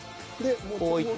こういって。